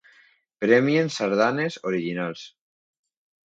Premien sardanes originals.